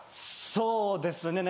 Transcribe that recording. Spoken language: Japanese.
そうですね